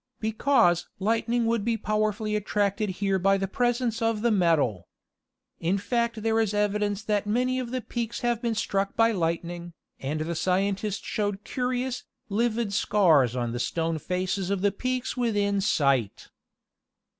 "Because lightning would be powerfully attracted here by the presence of the metal. In fact there is evidence that many of the peaks have been struck by lightning," and the scientist showed curious, livid scars on the stone faces of the peaks within sight.